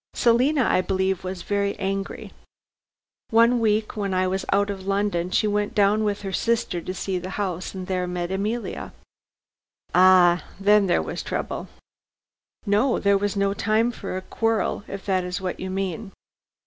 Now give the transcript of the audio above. Selina, I believe, was very angry. One week when I was out of London she went down with her sister to see the house, and there met Emilia." "Ah! then there was trouble?" "No; there was no time for a quarrel, if that is what you mean.